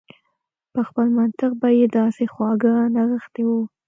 په خپل منطق به يې داسې خواږه نغښتي و.